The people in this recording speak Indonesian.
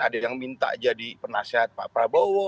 ada yang minta jadi penasehat pak prabowo